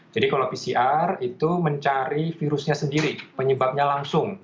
jadi kalau pcr itu mencari virusnya sendiri penyebabnya langsung